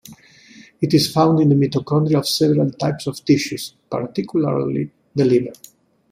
It is found in the mitochondria of several types of tissues, particularly the liver.